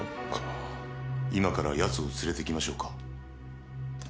今から奴を連れてきましょうか？